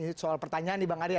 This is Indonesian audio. ini soal pertanyaan nih bang arya